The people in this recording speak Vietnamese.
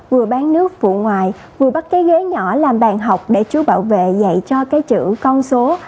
vừa bán nước phụ ngoài vừa bắt cái ghế nhỏ làm bàn học để chú bảo vệ dạy cho cái chữ con số